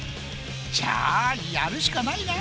じゃあやるしかないな！